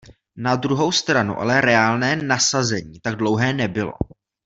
Na druhou stranu ale reálné nasazení tak dlouhé nebylo.